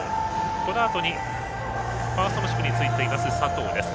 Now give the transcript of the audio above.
このあとにファーストの守備についている佐藤です。